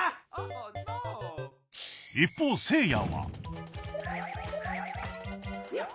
一方せいやは